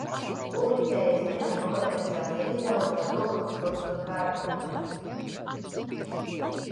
Publicējies minēto organizāciju izdevumos Ugunskrusts un Pērkonkrusts.